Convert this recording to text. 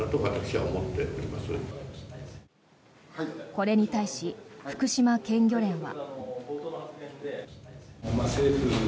これに対し、福島県漁連は。